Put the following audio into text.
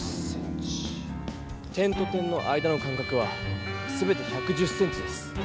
点と点の間の間かくはすべて１１０ｃｍです。